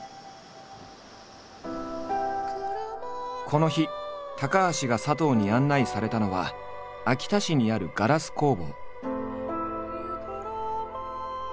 この日高橋が佐藤に案内されたのは秋田市にあるガラス工房。